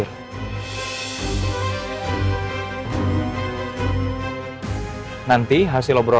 bru di c sabar